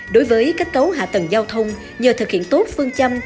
đối với kết cấu hạ tầng giao thông nhờ thực hiện tốt phương châm